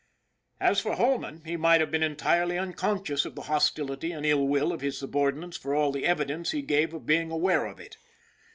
As for Holman, he might have been entirely un conscious of the hostility and ill will of his subor dinates for all the evidence he gave of being aware of it.